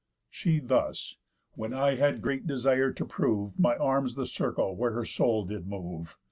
She thus, when I had great desire to prove My arms the circle where her soul did move.